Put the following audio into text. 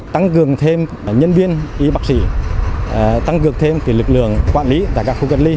tăng cường thêm nhân viên y bác sĩ tăng cường thêm lực lượng quản lý tại các khu cách ly